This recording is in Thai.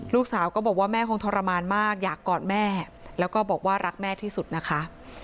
ลูกสาวก็บอกว่าแม่คงทรมานมากอยากกอดแม่แล้วก็บอกว่ารักแม่ที่สุดนะคะ